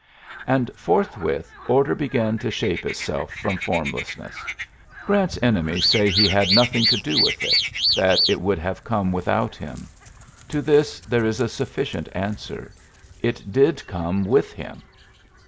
And forthwith order began to shape it self from formlessness. Grant's enemies say he had nothing to do with it, that it would have come without him. To this there is a sufficient answer : it did come with him.